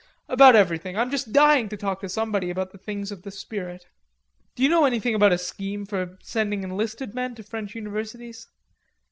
about everything. I'm just dying to talk to somebody about the things of the spirit." "Do you know anything about a scheme for sending enlisted men to French universities?